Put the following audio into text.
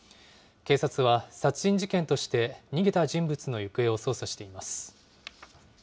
警察は殺人事件として逃げた人物の行方を捜査しています。